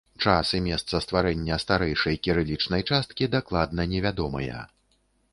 Час і месца стварэння старэйшай, кірылічнай часткі дакладна невядомыя.